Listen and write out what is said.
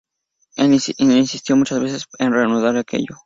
Él insistió muchas veces en reanudar aquello.